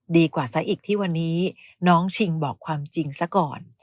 กว่าซะอีกที่วันนี้น้องชิงบอกความจริงซะก่อน